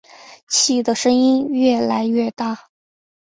气的声音越来越大